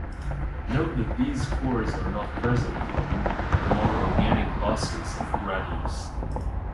Note that these cores are not present on the more organic bosses of "Gradius".